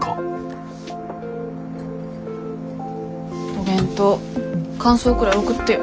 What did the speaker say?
お弁当感想くらい送ってよ。